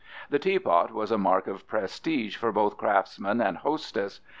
The teapot was a mark of prestige for both craftsman and hostess.